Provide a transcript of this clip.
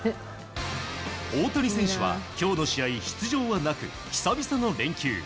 大谷選手は今日の試合出場はなく久々の連休。